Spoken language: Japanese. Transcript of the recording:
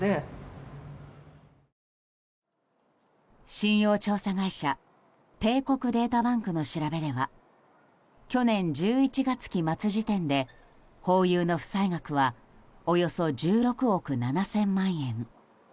信用調査会社帝国データバンクの調べでは去年１１月期末時点でホーユーの負債額はおよそ１６億７０００万円。